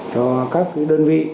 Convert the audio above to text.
cho các đơn vị